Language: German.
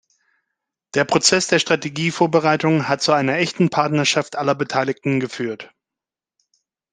Der Prozess der Strategievorbereitung hat zu einer echten Partnerschaft aller Beteiligten geführt.